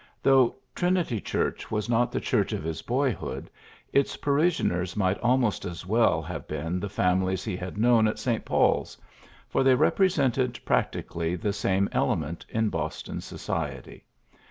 Though Trinity Church was not the church of his boyhood, its parish ioners might almost as well have been the families he had known at St. Paul's ; for they represented practically the same element in Boston society.